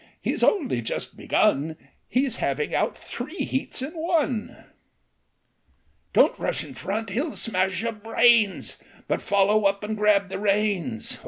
he 's only just begun, — He 's having out three heats in one !•' Don't rush in front ! he '11 smash youi brains ; But follow up and grab the reins